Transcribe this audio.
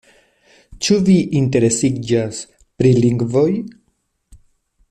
Ĉu vi interesiĝas pri lingvoj?